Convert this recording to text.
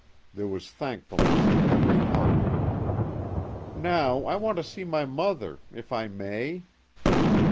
There was thankfulness in every heart. "Now, I want to see my mother if I may